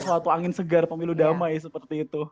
ini bukan suatu angin segar pemilu damai seperti itu